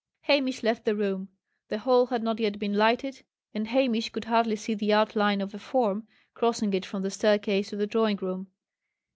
Hamish left the room. The hall had not yet been lighted, and Hamish could hardly see the outline of a form, crossing it from the staircase to the drawing room.